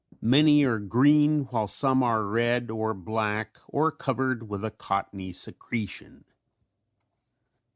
Many are green while some are red or black or covered with a cottony secretion.